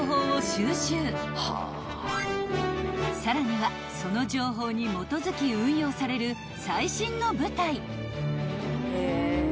［さらにはその情報に基づき運用される最新の部隊］